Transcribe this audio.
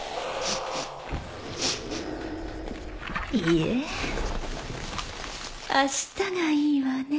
いえあしたがいいわね。